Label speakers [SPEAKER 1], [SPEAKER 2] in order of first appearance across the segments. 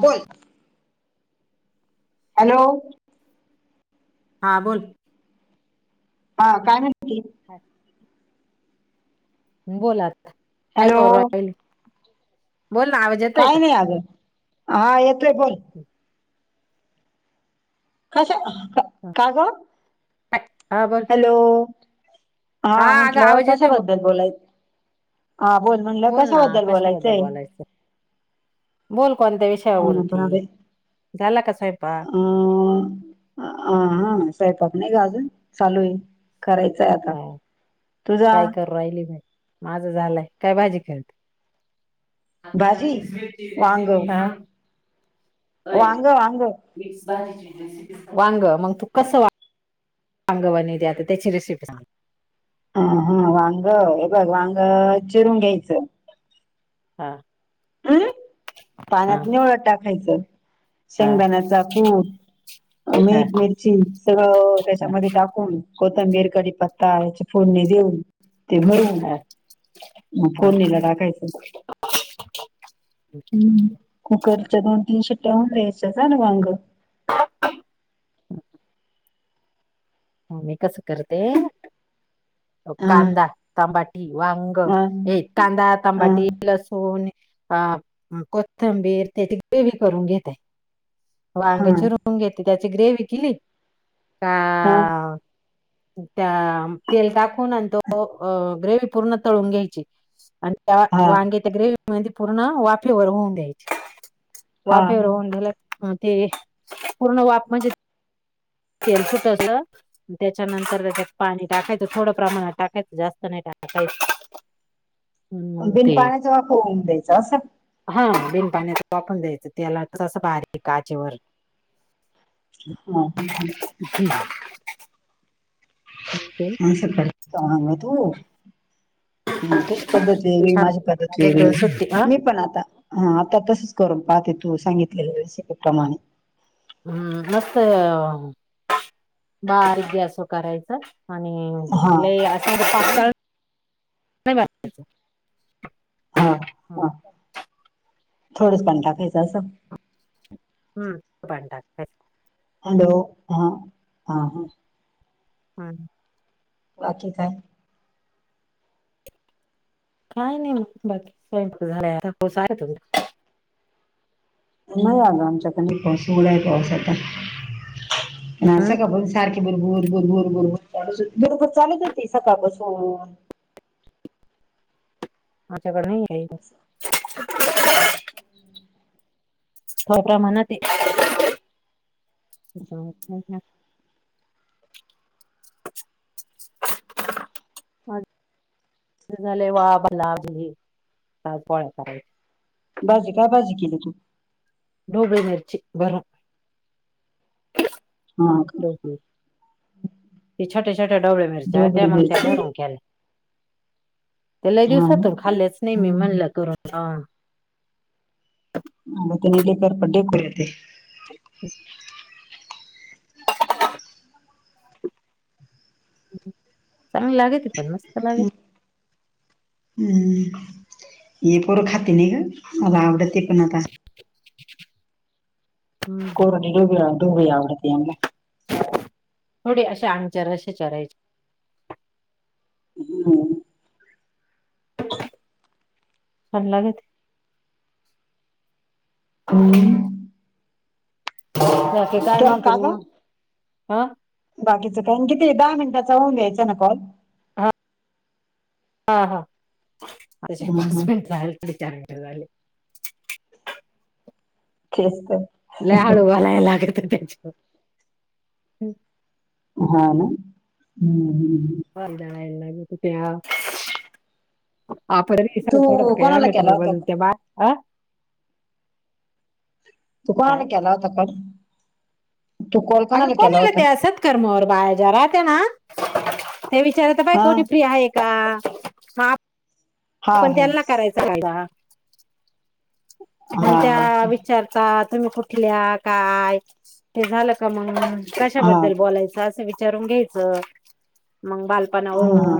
[SPEAKER 1] बोल. हॅलो.
[SPEAKER 2] हां बोल.
[SPEAKER 1] हा काय म्हती
[SPEAKER 2] [unintelligible] बोलात काय
[SPEAKER 1] हॅलो
[SPEAKER 2] करूल बोल ना आवज
[SPEAKER 1] काही नाही आगं हा येते बोल.
[SPEAKER 2] ह.
[SPEAKER 1] कश
[SPEAKER 2] हा.
[SPEAKER 1] काग
[SPEAKER 2] हा बर.
[SPEAKER 1] हॅलो हा म्हटलं
[SPEAKER 2] आवाज येतोय बघ
[SPEAKER 1] कशबद्दल बोलाय. हा बोल म्हणलं
[SPEAKER 2] ना
[SPEAKER 1] कशाबद्दल
[SPEAKER 2] कशाबद्दल
[SPEAKER 1] बोलायचंय.
[SPEAKER 2] बोलायचं बोल कोणत्या विषयावर
[SPEAKER 1] हो ना
[SPEAKER 2] बोलती झाला का स्वयंपा
[SPEAKER 1] अ हा स्वयंपाक नाही ग अजून चालू आहे. करायचंय आता
[SPEAKER 2] हा.
[SPEAKER 1] तुझा
[SPEAKER 2] काय करू राहिली म माझं झालंय काय भाजी खेळते. आता
[SPEAKER 1] भाजी
[SPEAKER 2] आम् स्टची रेसिपी
[SPEAKER 1] वाांग वाांग.
[SPEAKER 2] वांग मग तू कस वा अंगवाणी द्या आता त्याची रिसिपी सगली
[SPEAKER 1] ह हा वांग हे बघ वांग चिरून घ्यायचं
[SPEAKER 2] हा
[SPEAKER 1] हम्म?
[SPEAKER 2] हा,
[SPEAKER 1] पाण्यात निवळं टाकायचं
[SPEAKER 2] हा,
[SPEAKER 1] शेंगदाण्याचा कूप मीठ
[SPEAKER 2] हा,
[SPEAKER 1] मिरची सगळं
[SPEAKER 2] हा,
[SPEAKER 1] त्याच्यामध्ये टाकून कोतंबीर कडी पत्ता याच्या फोडणी देऊन ते भरून
[SPEAKER 2] हा,
[SPEAKER 1] आस फोडणी ला टाकायचं
[SPEAKER 2] अच्
[SPEAKER 1] कुकरच्या दोन-तीन शिट्ट्या होऊन द्यायच्या झालं वांग
[SPEAKER 2] मी कसं करते
[SPEAKER 1] हा
[SPEAKER 2] कांदा तांबाट वांग
[SPEAKER 1] हा
[SPEAKER 2] एक कांदा
[SPEAKER 1] हा
[SPEAKER 2] तंबाटी लसूण अ कोथंबीर त्याची ग्रेवी करून घेतय वांग्याची
[SPEAKER 1] हा
[SPEAKER 2] रुंग घेते त्याची ग्रेवी केली का
[SPEAKER 1] हा
[SPEAKER 2] त्या तेल टाकून तो ग्रे पूर्ण तळून घ्यायचे त्या
[SPEAKER 1] हा
[SPEAKER 2] वांग्याचे ग्रेवी म पूर्ण वाफेवर होऊन द्यायचे
[SPEAKER 1] हा
[SPEAKER 2] वाफेवर होऊन द्याला ह ते पूर्ण वाप म्हणजे तेल्सटर त्याच्यानंतर त्याच्यात पाणी टाकायचं थोडं प्रमाणात टाकायचं जास्त नाही टाकायचं. मग
[SPEAKER 1] बिन
[SPEAKER 2] ते
[SPEAKER 1] पाण्याचा वा खऊन द्यायचा अस असं.
[SPEAKER 2] हा बिन पाण्या वापरून द्यायचं त्याला तसं भारी काचेवर
[SPEAKER 1] ह हम् हम्.
[SPEAKER 2] [unintelligible] हो ते
[SPEAKER 1] ंग तू हम् तुझ पद्धत वेगळी
[SPEAKER 2] छान
[SPEAKER 1] माझी पद्धत
[SPEAKER 2] एक दोन
[SPEAKER 1] वेगळी
[SPEAKER 2] सुट्टी अ
[SPEAKER 1] मी पण आता हा आता तसच करून पाहते तू सांगितलेलंप्रमाणे
[SPEAKER 2] हम्म मस्त ना आरोग्य असं करायचं आणि
[SPEAKER 1] हा.
[SPEAKER 2] लय असं पातळ नाही बा
[SPEAKER 1] हा हा थोडच पण टाकायचं असं
[SPEAKER 2] हम् पाणी टाकायचं
[SPEAKER 1] हॅलो ह हा हा
[SPEAKER 2] हम्
[SPEAKER 1] बाकी काय
[SPEAKER 2] काय नाही मग बाकी स्वयंू झा आ हो सार तुम
[SPEAKER 1] नाही आलं आमच्याक पाऊस उघड आहे पाऊस आता पण
[SPEAKER 2] हम्म,
[SPEAKER 1] असं का बोल सारखे बरबर बरबर बरबर बरोबर चालूत होती सकाळपासून
[SPEAKER 2] माझ्याकड नाही आहे
[SPEAKER 1] हम्म
[SPEAKER 2] थो प्रमाणात
[SPEAKER 1] हम्
[SPEAKER 2] अ झाले वाला पोळ्या करायची
[SPEAKER 1] बाजी काय बाजी केली तू
[SPEAKER 2] ढोबळी मिरची भरून
[SPEAKER 1] हा का
[SPEAKER 2] ती छोटे छोटेडबळे मिरचे त्या
[SPEAKER 1] ढोबळी
[SPEAKER 2] मग त्या
[SPEAKER 1] मिरची
[SPEAKER 2] निरून केले त्याला
[SPEAKER 1] हा ना
[SPEAKER 2] दिवसातून खाल्लेच नाही मी
[SPEAKER 1] हम्म
[SPEAKER 2] म्हणलं करून
[SPEAKER 1] हा त्याने ते करपट ढेकर येते
[SPEAKER 2] ह चांगली लागे ते पण मस्त लागे
[SPEAKER 1] हम्म ये पोरं खाते नाही ग मला आवडते पण आता
[SPEAKER 2] हम्म
[SPEAKER 1] कोरडी डोब ढोबळी आवडतीया.
[SPEAKER 2] थोडी अशा आंगचरशे चरायचे.
[SPEAKER 1] [inaudible] [inaudible]
[SPEAKER 2] छान लागे ते
[SPEAKER 1] हम्म
[SPEAKER 2] बाकी काय
[SPEAKER 1] का
[SPEAKER 2] म्हणते
[SPEAKER 1] का ग
[SPEAKER 2] मग हा
[SPEAKER 1] बाकीचं टाइम किती आहे. दहा मिनिटाचा होऊन द्यायचा ना कॉल
[SPEAKER 2] ह हा हा तुझे
[SPEAKER 1] हा हा
[SPEAKER 2] पाच मिनट झाले. चार मिनटं झाले.
[SPEAKER 1] तेच तर
[SPEAKER 2] लई हळू बोलायला लागत त्याच्यात
[SPEAKER 1] हा ना हम्म हम्म
[SPEAKER 2] हल जाला एना क तुत आपण आहे
[SPEAKER 1] तू
[SPEAKER 2] थोडं थोडं खाऊया
[SPEAKER 1] कोणाला
[SPEAKER 2] का
[SPEAKER 1] केला होता
[SPEAKER 2] त्यांच्यासोबत भाकर
[SPEAKER 1] तू कोणाला
[SPEAKER 2] काय
[SPEAKER 1] केला होता काण
[SPEAKER 2] अगं कोणा आला ते असत कर्मवर बाहे जरा ते ना ते विचारता बाइ
[SPEAKER 1] हा
[SPEAKER 2] कोणी फ्री आहे. का हा
[SPEAKER 1] हा
[SPEAKER 2] पण
[SPEAKER 1] हा
[SPEAKER 2] त्यांना करायचा कायदा म्हण
[SPEAKER 1] हा
[SPEAKER 2] त्या विचारता तुम्ही कुठल्या काय? हे झालं का मग
[SPEAKER 1] हा हा
[SPEAKER 2] कशाबद्दल बोलायचं असं विचारून घ्यायचं मग बाल [unintelligible]
[SPEAKER 1] हा हा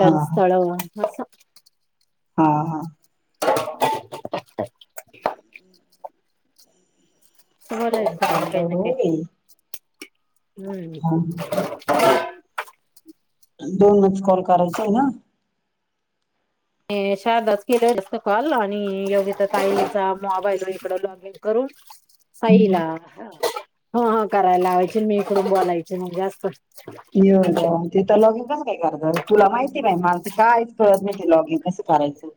[SPEAKER 1] हा हा हा हा.
[SPEAKER 2] [inaudible] बर
[SPEAKER 1] सकाळी चाललं
[SPEAKER 2] काही
[SPEAKER 1] हो
[SPEAKER 2] नाही
[SPEAKER 1] बाई
[SPEAKER 2] काही नाही
[SPEAKER 1] हा
[SPEAKER 2] हम्म
[SPEAKER 1] दोनच कॉल करायचे आहे ना
[SPEAKER 2] ते शारदाच केलं असत कॉल आणि योगीता ताईचा मोबाईल इकड हे करून साईला ह हा करायला लावायची मी इकडून बोलायच मग जास्त
[SPEAKER 1] ये देव ते तर लॉगिंग कसं काय करत तुला माहिती नाही मला तर काय कळत नाही लॉगिंग कसं करायचं.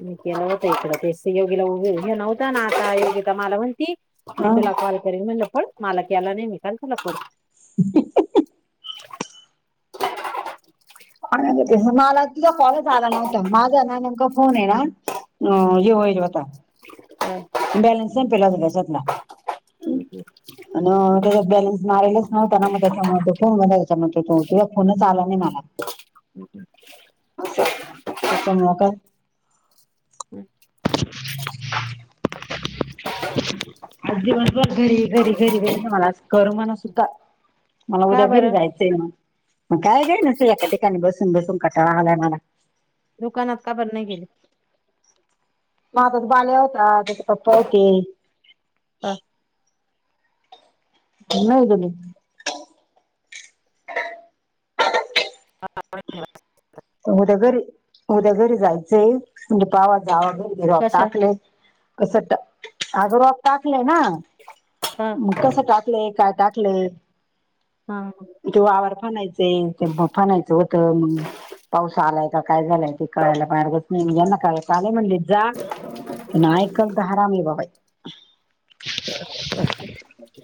[SPEAKER 2] मी केलं होत इकडं ते योगीला उभे घे नव्हता ना आता योगीता मला म्हटली. मी
[SPEAKER 1] अ
[SPEAKER 2] तुला कॉल करीन म्हनल पड मला केला नाही मी का तुला करू.
[SPEAKER 1] [inaudible]
[SPEAKER 2] [inaudible]
[SPEAKER 1] खाण्या ते मला तुझा कॉलच आला नव्हता माझा ना नेमका फोन आहे ना हे होईल होता.
[SPEAKER 2] [inaudible]
[SPEAKER 1] बॅलन्स नाही [unintelligible]
[SPEAKER 2] [inaudible]
[SPEAKER 1] अन त्याच्यात बॅलन्स मारलाच नव्हता ना मग त्याच्यामुळ फोन म त्याच्या म्हणत तो किंवा फोनच आला नाही मला असं त्याच्यामुळ
[SPEAKER 2] हम्म
[SPEAKER 1] दिवसभर घरी घरी घरी घरी मला अस करमणा सुद्धा मला उद्या
[SPEAKER 2] का
[SPEAKER 1] घरी
[SPEAKER 2] बरं
[SPEAKER 1] जायचं. मग काय काय नस एका ठिकाणी बसून बसून कटाळा आलाय मला
[SPEAKER 2] दुकानात का बर नाही गेले
[SPEAKER 1] हा बघ बाल्या होता त्याचे पप्पा होते.
[SPEAKER 2] ह
[SPEAKER 1] नव जणी.
[SPEAKER 2] ह्यवा [unintelligible]
[SPEAKER 1] उद्या घरी उद्या घरी जायचंय म्हणजे जावा जावा घरी निरोप
[SPEAKER 2] कशा
[SPEAKER 1] टाकले. कस टा अग्रह टाकले ना
[SPEAKER 2] ह
[SPEAKER 1] मग कस टाक टाकले का टाकले.
[SPEAKER 2] हा.
[SPEAKER 1] तो आववर फनायचे ते फनायचं होत मग. आलंय की काय झालंय ते कळायला पाहिजे की यांना काय पाणी म्हणजे जा नायकल तर हरामी हाय बाई.
[SPEAKER 2] अहं ओके.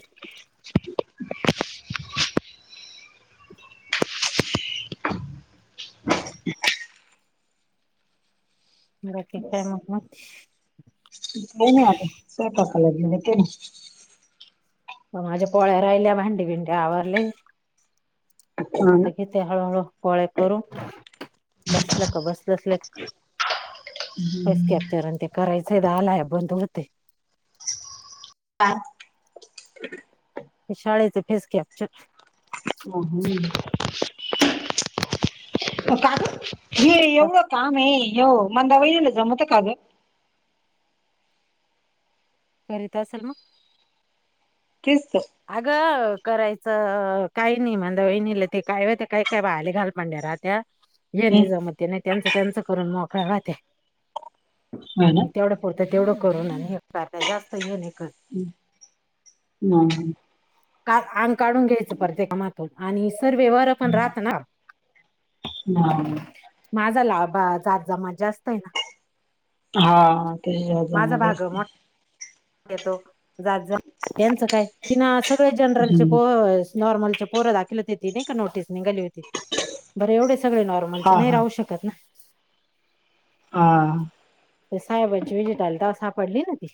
[SPEAKER 1] [unintelligible]
[SPEAKER 2] बाकी काय मग मग
[SPEAKER 1] काय नाय आता स्वयंपाक केलं.
[SPEAKER 2] माझ्या पोळ्या राहिल्या भांडी भिंडी आवरली
[SPEAKER 1] ना
[SPEAKER 2] आता घे हळूहळू पोळ्या करू बसलो का बसलो. कसले सस कॅप्चर ते करायच दहा ला ऍप बंद होते.
[SPEAKER 1] काय?
[SPEAKER 2] ते शाळेच केस कॅप्चर
[SPEAKER 1] [inaudible] हे एवढं काम आहे ये मंदा वयनीला जमतं का ग?
[SPEAKER 2] करीत असल मग
[SPEAKER 1] किस्त
[SPEAKER 2] अगं करायचं काही नाही मंदा वयणीला ते काय हो ते काय काय पाहिले घालपंढ्यारात त्या हे
[SPEAKER 1] हम्म.
[SPEAKER 2] नाही जमत नाही त्यांच त्यांच करून मोकळ राहते
[SPEAKER 1] होय ना
[SPEAKER 2] आणि तेवढ पुरत तेवढं करून आणि एक कारत जास्त हे नाय करत.
[SPEAKER 1] हम हम
[SPEAKER 2] का आंग काढून घ्यायचं प्रतेक कामातून आणि तर व्यवार पण राहत ना.
[SPEAKER 1] नाही
[SPEAKER 2] माझाला जात जामा जास्त आहे ना.
[SPEAKER 1] हा तची जमा
[SPEAKER 2] माझा भाग
[SPEAKER 1] जास्त
[SPEAKER 2] मोठा येतो जात जा त्यांचं काय की ना सगळे जनरलचे
[SPEAKER 1] हम्म
[SPEAKER 2] पो नॉर्मलचेच पोर दाखल होती ती नाय का नोटीस निघाली होती बरं एवढे सगळे नॉर्मलचे
[SPEAKER 1] हा
[SPEAKER 2] नाही
[SPEAKER 1] हा
[SPEAKER 2] राहू शक तर ना
[SPEAKER 1] हा.
[SPEAKER 2] तेव्हा साहेबांची व्हिजिट आली तेव्हा सापडली ना ती.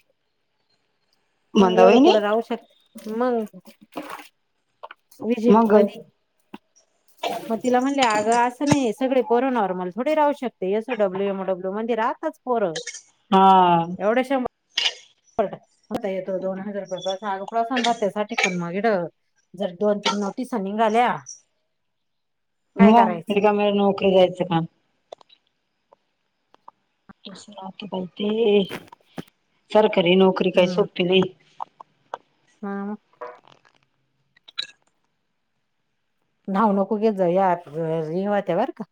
[SPEAKER 2] मग
[SPEAKER 1] मंदा
[SPEAKER 2] एवढं कुठ
[SPEAKER 1] वहिनी
[SPEAKER 2] राहू शकते मग. विजिट
[SPEAKER 1] मग
[SPEAKER 2] होती.
[SPEAKER 1] [inaudible]
[SPEAKER 2] मग तिला म्हणले आग अस नाही सगळे पोर नॉर्मल थोडे राहू शकते, अस S O W O W मध्ये राहतात. पोर.
[SPEAKER 1] आ
[SPEAKER 2] एवढ्याशा म होता येतो दोन हजार रुपये प्रवासान भात्यासाठी पण मग इड जर दोन तीन नोटीसा निघाल्या काय
[SPEAKER 1] हो
[SPEAKER 2] करायचं
[SPEAKER 1] तिचा मूळ नोकरी जायचं काम. कशी रात्र पळते सरकारी नोकरी काही सोपी नाही.
[SPEAKER 2] हा. नाव नको घेत जाऊ यात रिंग होते बर का.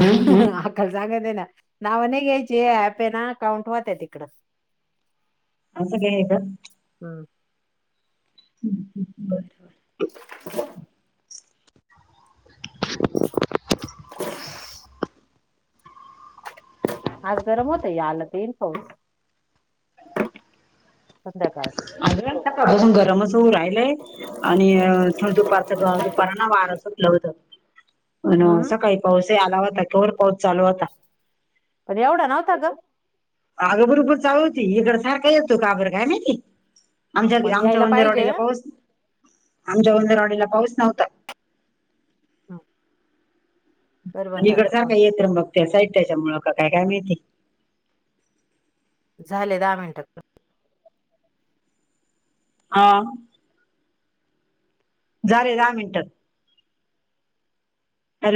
[SPEAKER 2] आह्
[SPEAKER 1] हम्म
[SPEAKER 2] हा
[SPEAKER 1] हम्म
[SPEAKER 2] अक्कला सांगते ना. नाव नाही घ्यायचे ऍप ये ना काउंट होतयेत तिकड.
[SPEAKER 1] असं काय आहे का?
[SPEAKER 2] हम्म
[SPEAKER 1] ह् बरोबर [inaudible]
[SPEAKER 2] [unintelligible] आज गरम होत आलं त येईन पाऊस संध्याकाळ
[SPEAKER 1] आग का सकाळ पासून गरमचं होऊ राहिलंय आणि स दुपारचं ग दुपाराना वार सुटलं होत.
[SPEAKER 2] हम्म
[SPEAKER 1] सकाळी पाऊसही आला होता कवर पाऊस चालू होता.
[SPEAKER 2] पण एवढा नव्हता ग
[SPEAKER 1] अगं भुरभुर चालू होती. इकड सारखा येतो काबर काय माहिती. आमच्या
[SPEAKER 2] पण
[SPEAKER 1] आमच्या
[SPEAKER 2] यायला पाहिजे
[SPEAKER 1] वंजरवाडीला पाऊस, आमच्या उंदरवाडीला पाऊस नव्हता.
[SPEAKER 2] हम
[SPEAKER 1] आणि इकड सारखा काय येत र मग त्या साई त्याच्यामुळ का काय काय माहिती
[SPEAKER 2] झाले दहा मिनिटात
[SPEAKER 1] आ झालेे दहा मिनिट. हॅलो.